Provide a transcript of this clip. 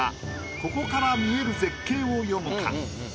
ここから見える絶景を詠むか？